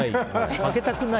負けたくない？